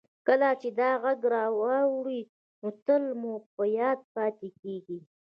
کله چې دا غږ واورئ نو تل مو په یاد پاتې کیږي